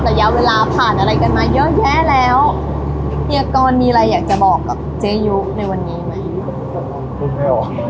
ระยะเวลาผ่านอะไรกันมาเยอะแยะแล้วเฮียกรมีอะไรอยากจะบอกกับเจยุในวันนี้ไหม